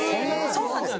「そうなんです。